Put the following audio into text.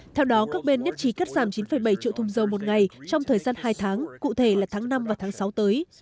theo đó các bên nhất trí cắt giảm chín bảy triệu thùng dầu một ngày trong thời gian hai tháng cụ thể là tháng năm và tháng sáu tới